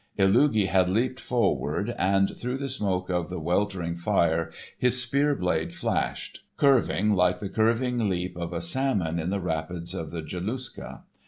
Illugi had leaped forward, and through the smoke of the weltering fire his spear blade flashed, curving like the curving leap of a salmon in the rapids of the Jokulsa.